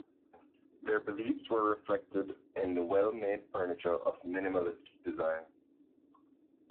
Their beliefs were reflected in the well-made furniture of minimalist designs.